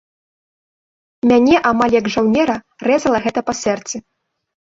Мяне амаль як жаўнера рэзала гэта па сэрцы.